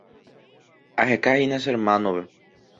Ahekahína che hermanope.